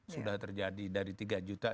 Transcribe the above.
sudah terjadi dari tiga juta